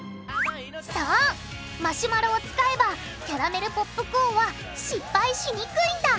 そうマシュマロを使えばキャラメルポップコーンは失敗しにくいんだ！